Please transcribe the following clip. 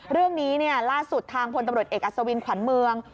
เรื่องนี้เนี่ยล่าสุดทางพตเอกอัศวินขวานเมือง